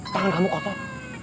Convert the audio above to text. tangan kamu kotor